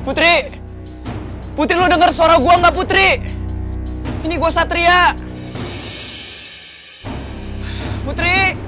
putri putih lu denger suara gua enggak putri ini gua satria putri